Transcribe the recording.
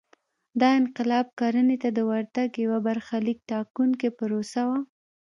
دا انقلاب کرنې ته د ورتګ یوه برخلیک ټاکونکې پروسه وه